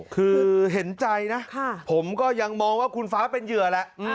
คือเห็นใจนะผมก็ยังมองว่าคุณฟ้าเป็นเหยื่อแหละ